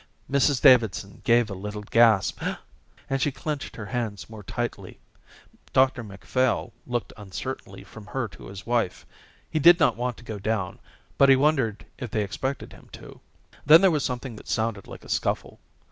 Mrs Davidson gave a little gasp, and she clenched her hands more tightly. Dr Macphail looked uncertainly from her to his wife. He did not want to go down, but he wondered if they expected him to. Then there was something that sounded like a scuffle.